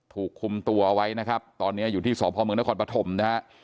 ถูกคุมตัวเอาไว้นะครับตอนนี้อยู่ที่สพมนครปฐมนะครับ